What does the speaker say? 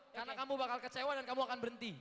karena kamu bakal kecewa dan kamu akan berhenti